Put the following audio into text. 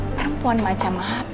perempuan macam apa kayak gitu